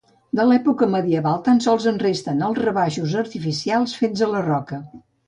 D'època medieval tan sols en resten els rebaixos artificials fets a la roca.